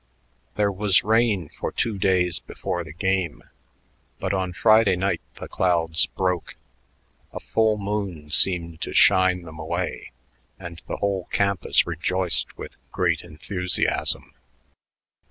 There was rain for two days before the game, but on Friday night the clouds broke. A full moon seemed to shine them away, and the whole campus rejoiced with great enthusiasm.